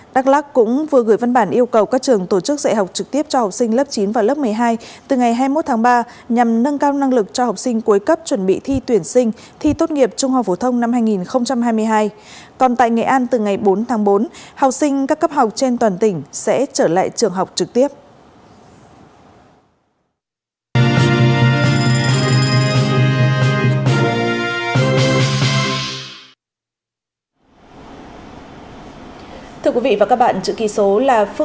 đắk lắc cũng vừa gửi văn bản yêu cầu các trường tổ chức dạy học trực tiếp cho học sinh lớp chín và lớp một mươi hai